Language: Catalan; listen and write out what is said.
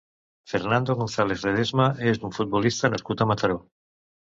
Fernando González Ledesma és un futbolista nascut a Mataró.